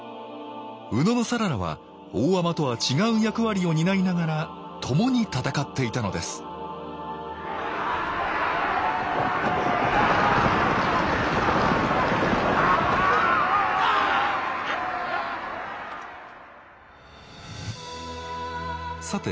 野讃良は大海人とは違う役割を担いながら共に戦っていたのですさて